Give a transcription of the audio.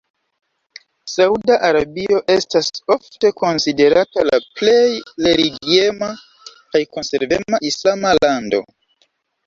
Sauda Arabio estas ofte konsiderata la plej religiema kaj konservema islama lando.